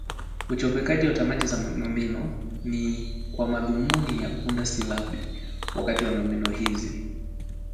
Uchopekaji wa tamati za nomino ni kwa madhumuni ya kuunda silabi wazi katika nomino hizi